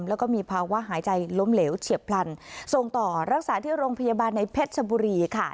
แล้วก็มีภาวะหายใจล้มเหลวเฉียบพลันส่งต่อรักษาที่โรงพยาบาลในเพชรชบุรีค่ะ